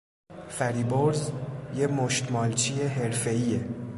فریبرز یه مشتمالچی حرفهایه